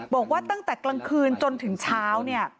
บอกว่าตั้งแต่กลางคืนจนถึงเช้าเนี่ย